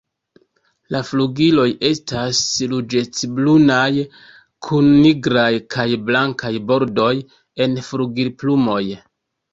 La flugiloj estas ruĝecbrunaj kun nigraj kaj blankaj bordoj en flugilplumoj.